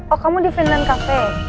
oh kamu di finland cafe